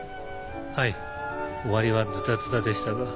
はい終わりはズタズタでしたが。